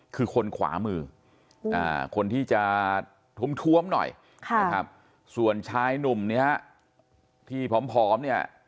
คือคนขวามือคนที่จะท้มหน่อยนะครับส่วนชายหนุ่มเนี่ยฮะที่ผอมเนี่ย